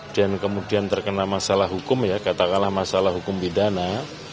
dan kemudian terkena masalah hukum ya katakanlah masalah hukum pidana